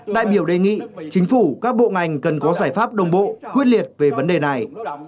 đại biểu đề nghị chính phủ các bộ ngành cần có giải pháp đồng bộ quyết liệt về vấn đề này